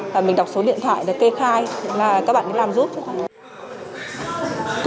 và mình đọc số điện thoại kê khai các bạn làm giúp cho tôi